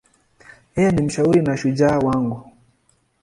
Yeye ni mshauri na shujaa wangu.